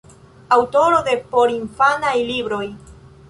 Aŭtoro de porinfanaj libroj.